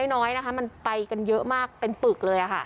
น้อยนะคะมันไปกันเยอะมากเป็นปึกเลยค่ะ